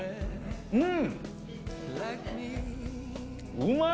うん！